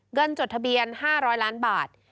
จดทะเบียน๕๐๐ล้านบาท